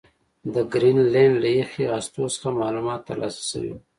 د ګرینلنډ له یخي هستو څخه معلومات ترلاسه شوي